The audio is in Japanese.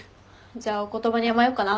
じゃあお言葉に甘えよっかな。